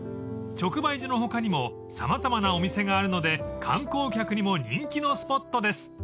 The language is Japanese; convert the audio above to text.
［直売所の他にも様々なお店があるので観光客にも人気のスポットです］